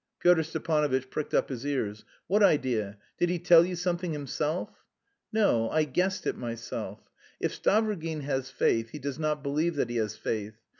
Pyotr Stepanovitch pricked up his ears. "What idea? Did he tell you something himself?" "No, I guessed it myself: if Stavrogin has faith, he does not believe that he has faith.